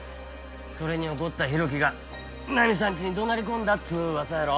それに怒った浩喜がナミさんちに怒鳴り込んだっつう噂やろ。